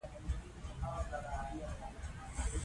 سیلابونه د ټولو افغانانو ژوند په بېلابېلو ډولونو اغېزمنوي.